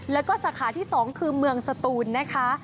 แล้วก็สาขาที่๒คือเมืองสตูนนะคะ